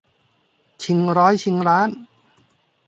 ชิงร้อยชิงล้าน